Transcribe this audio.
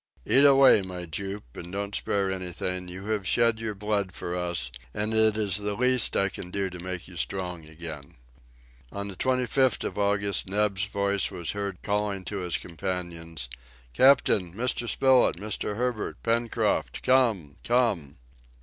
"Eat away, my Jup," said he, "and don't spare anything; you have shed your blood for us, and it is the least I can do to make you strong again!" On the 25th of August Neb's voice was heard calling to his companions. "Captain, Mr. Spilett, Mr. Herbert, Pencroft, come! come!"